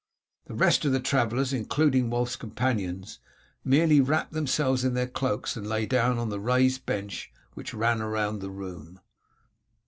The rest of the travellers, including Wulf's companions, merely wrapped themselves in their cloaks and lay down on the raised bench which ran round the room.